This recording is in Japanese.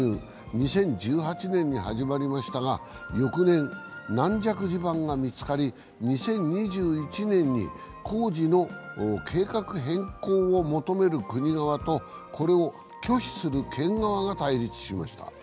２０１８年に始まりましたが翌年、軟弱地盤が見つかり、２０２１年に工事の計画変更を求める国側とこれを拒否する県側が対立しました。